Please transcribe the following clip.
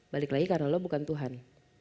balik lagi karena lo bukan tuhan